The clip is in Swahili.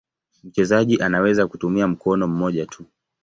Mchezaji anaweza kutumia mkono mmoja tu.